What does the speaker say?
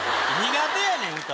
苦手やねん歌！